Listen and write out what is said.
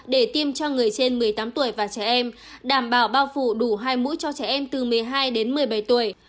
để tiêm cho người trên một mươi tám tuổi và trẻ em đảm bảo bao phủ đủ hai mũi cho trẻ em từ một mươi hai đến một mươi bảy tuổi